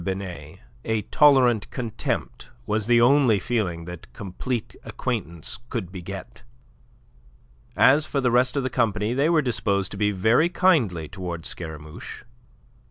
Binet a tolerant contempt was the only feeling that complete acquaintance could beget. As for the rest of the company, they were disposed to be very kindly towards Scaramouche.